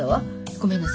ごめんなさい。